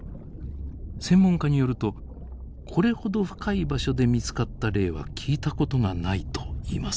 専門家によるとこれほど深い場所で見つかった例は聞いたことがないといいます。